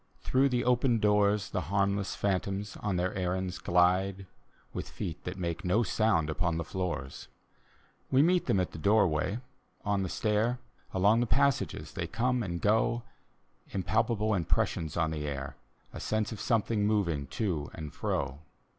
Through the open doors The harmless phantoms on their errands glide. With feet that make no sound upon the floors. We meet them at the doorway, on the stair, Along the passages they come and go. Impalpable impressions on the air, A sense of something moving to and fro.